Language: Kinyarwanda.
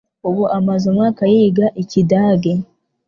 Ubu amaze umwaka yiga Ikidage.